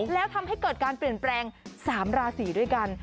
แล้วทำให้เกิดการเปลี่ยนแปลง๓ราศีด้วยกัน